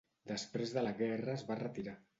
Després de la guerra es va retirar.